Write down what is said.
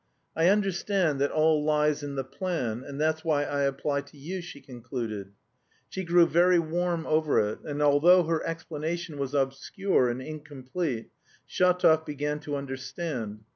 "I understand that all lies in the plan, and that's why I apply to you," she concluded. She grew very warm over it, and although her explanation was obscure and incomplete, Shatov began to understand.